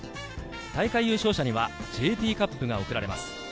大会優勝者にはＪＴカップが贈られます。